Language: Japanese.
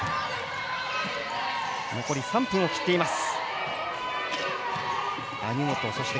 残り３分を切っています。